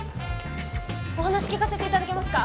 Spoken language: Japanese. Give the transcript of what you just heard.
お話聞かせて頂けますか？